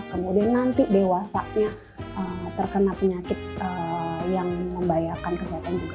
kemudian nanti dewasanya terkena penyakit yang membahayakan kesehatan juga